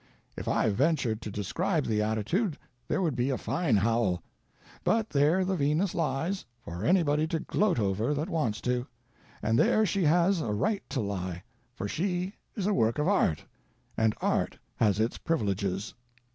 If I ventured to describe the attitude, there would be a fine howl but there the Venus lies, for anybody to gloat over that wants to and there she has a right to lie, for she is a work of art, and Art has its privileges.